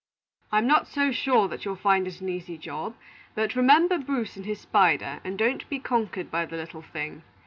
"I'm not so sure that you'll find it an easy job; but remember Bruce and his spider, and don't be conquered by the 'little thing.'